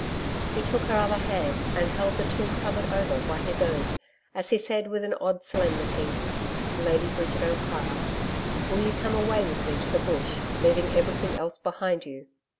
He took her other hand and held the two covered over by his own as he said with an odd solemnity: 'Lady Bridget O'Hara will you come away with me to the Bush, leaving everything else behind you?'